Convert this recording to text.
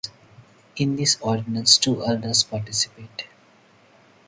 In this ordinance, two elders participate.